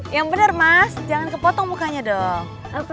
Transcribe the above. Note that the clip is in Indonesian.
yang benar mas jangan kepotong mukanya dong